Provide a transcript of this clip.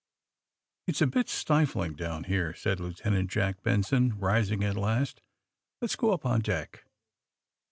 *^It's a bit stifling down here," said Lieuten ant Jack Benson, rising, at last. '^Let's go up on deck.''